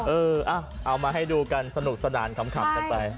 เอามาให้ดูกันสนุกสนานขำกันไป